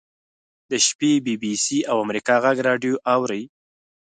د شپې بي بي سي او امریکا غږ راډیو اوري.